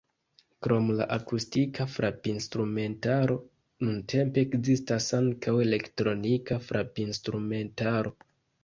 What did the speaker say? Krom la akustika frapinstrumentaro nuntempe ekzistas ankaŭ elektronika frapinstrumentaro.